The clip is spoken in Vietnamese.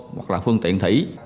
hoặc là phương tiện thủy